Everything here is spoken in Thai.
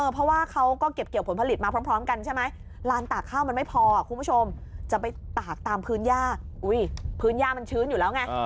พอคุณผู้ชมจะไปตากตามพื้นย่าอุ้ยพื้นย่ามันชื้นอยู่แล้วไงอ่า